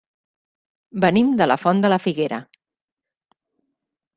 Venim de la Font de la Figuera.